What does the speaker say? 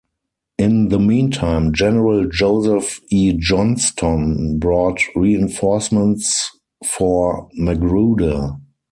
In the meantime, General Joseph E. Johnston brought reinforcements for Magruder.